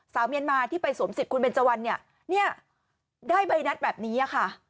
เมียนมาที่ไปสวมสิทธิ์คุณเบนเจวันเนี่ยเนี่ยได้ใบนัดแบบนี้ค่ะ